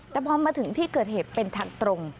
แต่พอมาถึงที่เกิดเหตุเป็นทางตรง